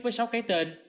với sáu cái tên